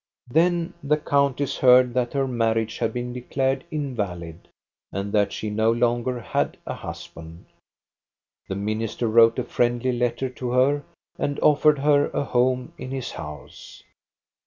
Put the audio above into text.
Then the countess heard that her marriage had been declared invalid, and that she no longer had a husband. The minister wrote a friendly letter to her, and offered her a home in his house.